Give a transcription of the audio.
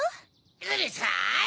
うるさい！